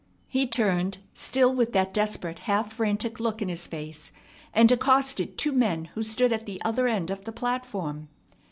He turned, still with that desperate, half frantic look in his face, and accosted two men who stood at the other end of the platform.